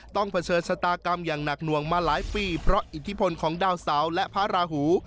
เผชิญชะตากรรมอย่างหนักหน่วงมาหลายปีเพราะอิทธิพลของดาวเสาและพระราหู